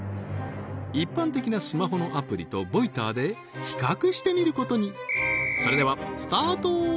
一般的なスマホのアプリとＶＯＩＴＥＲで比較してみることにそれではスタート！